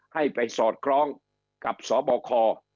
ให้ไปสอดคล้องกับสบค